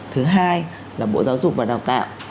thứ hai là bộ giáo dục và đào tạo